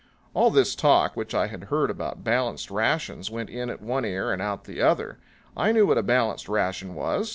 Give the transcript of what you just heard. All this talk which I had heard about balanced rations went in at one ear and out at the other. I knew what a balanced ration was.